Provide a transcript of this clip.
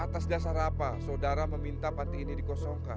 atas dasar apa saudara meminta panti ini dikosongkan